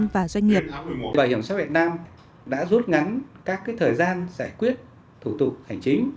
bảo hiểm xã hội việt nam đã rút ngắn các thời gian giải quyết thủ tục hành chính